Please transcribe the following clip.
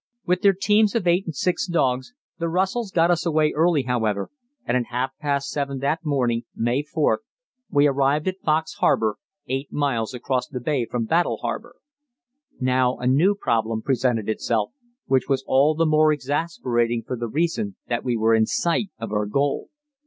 With their teams of eight and six dogs the Russells got us away early, however, and at half past eleven that morning (May 4th) we arrived at Fox Harbour, eight miles across the bay from Battle Harbour. Now a new problem presented itself, which was all the more exasperating for the reason that we were in sight of our goal.